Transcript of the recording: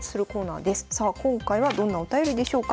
さあ今回はどんなお便りでしょうか。